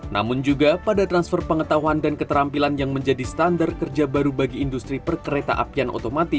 namun juga pada transfer pengetahuan dan keterampilan yang menjadi standar kerja baru bagi industri perkereta apian otomatis